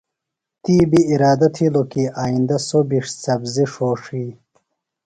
تی بیۡ ارادہ تِھیلوۡ کی آئیندہ سوۡ بیۡ سبزیۡ ݜوݜی۔